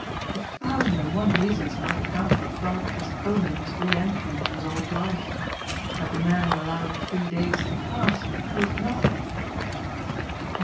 A thousand and one reasons might account for Clarke postponing his re entry into his old life that the man had allowed three days to pass proved nothing.